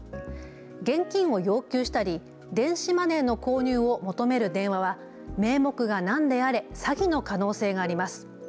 現金を要求したり電子マネーの購入を求める電話は名目がなんであれ詐欺の可能性があります。